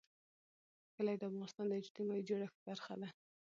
کلي د افغانستان د اجتماعي جوړښت برخه ده.